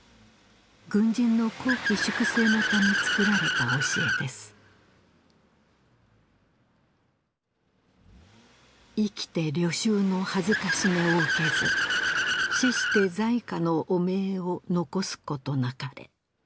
軍人の綱紀粛正のためつくられた教えです「生きて虜囚の辱めを受けず」「死して罪禍の汚名を残すこと勿れ」